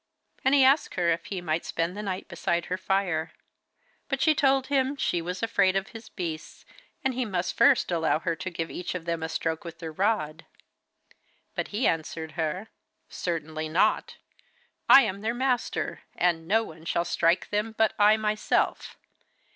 And he asked her if he might spend the night beside her fire. But she told him she was afraid of his beasts, and he must first allow her to give each of them a stroke with her rod. But he answered her: 'Certainly not. I am their master, and no one shall strike them but I myself.